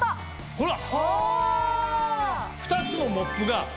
ほら。